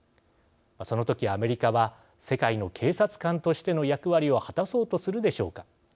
そのときアメリカは世界の警察官としての役割を果たそうとするでしょうか。